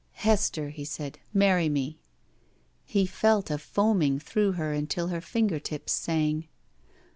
"Hester," he said, "marry me." She felt a foaming through her until her finger tips sang.